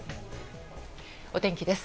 お天気です。